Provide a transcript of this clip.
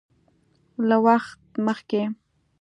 له وخت مخکې